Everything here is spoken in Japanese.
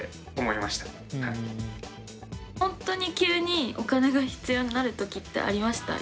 本当に急にお金が必要になる時ってありました？